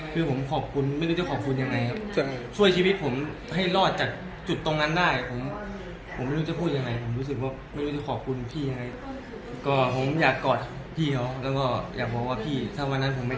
ถ้าวันนั้นผมไม่ได้พี่ครับ